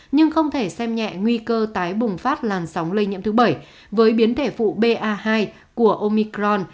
nhưng không thể xem nhẹ nguy cơ tái bùng phát làn sóng lây nhiễm thứ bảy với biến thể phụ ba hai của omicron